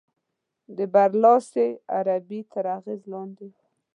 د برلاسې عربي تر اغېز لاندې ده.